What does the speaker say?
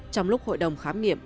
trong lúc hội đồng khám nghiệm